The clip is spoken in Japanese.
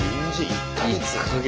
１か月。